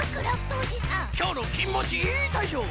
きょうの「きんもちいーたいしょう」